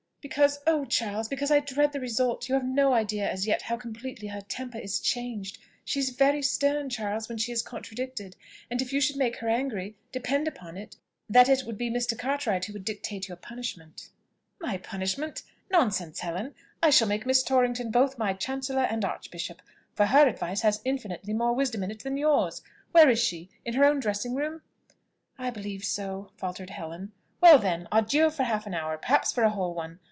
"Because, oh! Charles, because I dread the result. You have no idea as yet how completely her temper is changed. She is very stern, Charles, when she is contradicted; and if you should make her angry, depend upon it that it would be Mr. Cartwright who would dictate your punishment." "My punishment! Nonsense, Helen! I shall make Miss Torrington both my Chancellor and Archbishop, for her advice has infinitely more wisdom in it than yours. Where is she? in her own dressing room?" "I believe so," faltered Helen. "Well, then, adieu for half an hour, perhaps for a whole one.